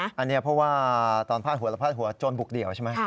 อันนี้เพราะว่าตอนพาดหัวเราพาดหัวโจรบุกเดี่ยวใช่ไหม